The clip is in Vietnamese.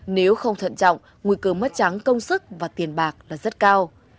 nếu không thận trọng nguy cơ mất trắng công sức và tiền bạc là rất cao